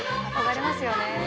憧れますよね。